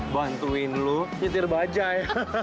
bantuin lo nyetir bajaj